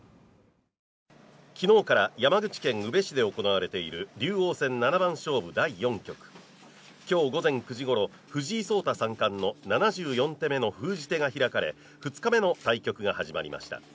きのうから山口県宇部市で行われている竜王戦７番勝負第４局今日午前９時ごろ藤井聡太３冠の７４手目の封じ手が開かれ２日目の対局が始まりました